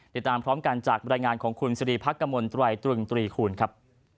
ติดตามพร้อมกันจากบรรยายงานของคุณสิริพักกมลตรายตรึงตรีคูณครับ